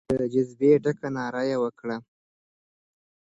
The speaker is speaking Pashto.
د جذبې ډکه ناره وکړه.